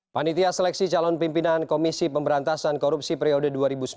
panitia seleksi calon pimpinan komisi pemberantasan korupsi periode dua ribu sembilan belas dua ribu dua